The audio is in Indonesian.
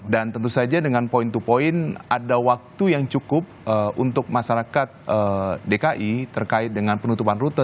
dan tentu saja dengan point to point ada waktu yang cukup untuk masyarakat dki terkait dengan penutupan rute